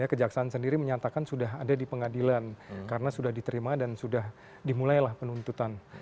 kejaksaan sendiri menyatakan sudah ada di pengadilan karena sudah diterima dan sudah dimulailah penuntutan